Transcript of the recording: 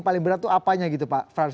paling berat itu apanya gitu pak frans